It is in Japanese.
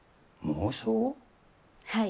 はい。